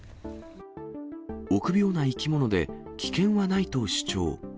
臆病な生き物で、危険はないと主張。